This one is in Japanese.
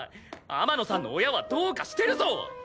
天野さんの親はどうかしてるぞ！